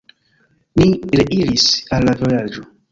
Ni reiris al la vilaĝo.